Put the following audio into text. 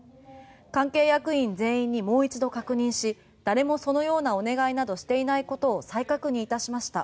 関係役員全員にもう一度確認し誰もそのようなお願いなどしていないことを再確認いたしました。